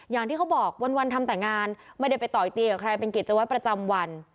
อย่างที่เขาบอกวันทำแต่งงานไม่ได้ไปต่อยตีกับใครเป็นกิจวัตรประจำวัน